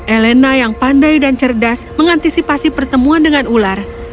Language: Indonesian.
elena yang pandai dan cerdas mengantisipasi pertemuan dengan ular